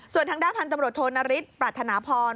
ส่วนทางด้านพันธุ์ตำรวจโทนฤทธปรัฐนาพร